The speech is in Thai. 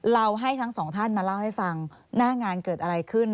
ให้ทั้งสองท่านมาเล่าให้ฟังหน้างานเกิดอะไรขึ้น